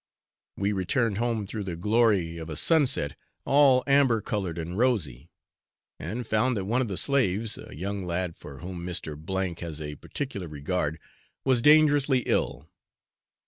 We returned home through the glory of a sunset all amber coloured and rosy, and found that one of the slaves, a young lad for whom Mr. has a particular regard, was dangerously ill.